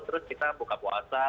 terus kita buka puasa